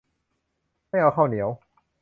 ไม่เอาข้าวเหนียว